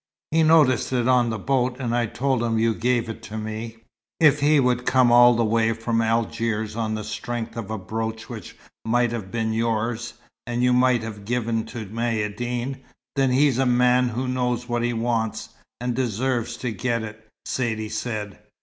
"He noticed it on the boat, and I told him you gave it to me." "If he would come all the way from Algiers on the strength of a brooch which might have been yours, and you might have given to Maïeddine, then he's a man who knows what he wants, and deserves to get it," Saidee said.